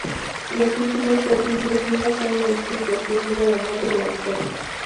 Los últimos dos libros nunca fueron escritos debido a la muerte del autor.